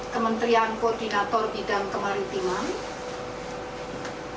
kementerian koordinator bidang kemaritiman